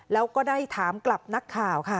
แล้วก็ได้ถามกลับนักข่าวค่ะ